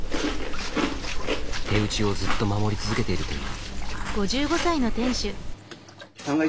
手打ちをずっと守り続けているという。